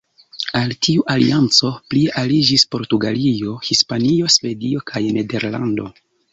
Al tiu alianco plie aliĝis Portugalio, Hispanio, Svedio kaj Nederlando.